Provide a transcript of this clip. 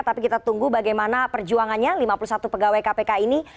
tapi kita tunggu bagaimana perjuangannya lima puluh satu pegawai kpk ini